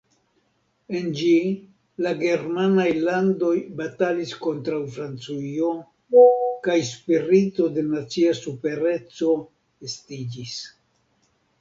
En ĝi, la germanaj landoj batalis kontraŭ Francujo kaj spirito de nacia supereco estiĝis.